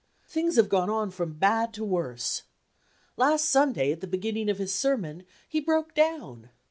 Things have gone on from bad to worse. Last Sunday, at the beginning of his sermon, he broke down.